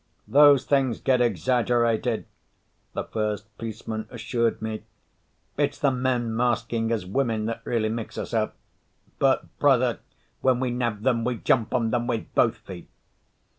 "Those things get exaggerated," the first policeman assured me. "It's the men masking as women that really mix us up. But, brother, when we nab them, we jump on them with both feet."